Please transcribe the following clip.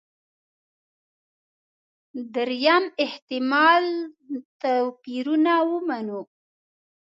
درېیم احتمال توپيرونه ومنو.